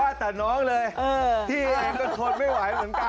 ว่าแต่น้องเลยพี่เองก็ทนไม่ไหวเหมือนกัน